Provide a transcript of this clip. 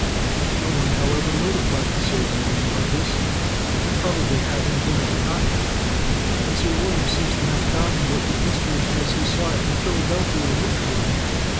No one, however, notified Sir William of this, it probably having been forgotten ; and Sir William seems to have forgotten what the instrument, as he saw it in Philadelphia, looked like.